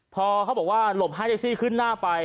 พอเขาบอกว่าหลบให้แท็กซี่ขึ้นหน้าไป